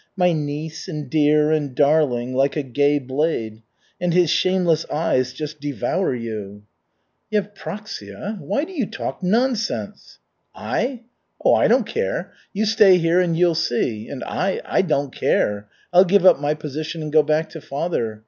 'My niece,' and 'dear,' and 'darling,' like a gay blade. And his shameless eyes just devour you." "Yevpraksia, why do you talk nonsense?" "I? Oh, I don't care. You stay here and you'll see. And I I don't care. I'll give up my position, and go back to father.